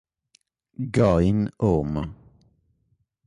Goin' Home